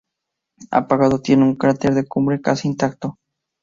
Apagado tiene un cráter de cumbre casi intacto.